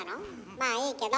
まあいいけど。